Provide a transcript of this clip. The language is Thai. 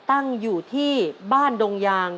ตั้งอยู่ที่บ้านดงยาง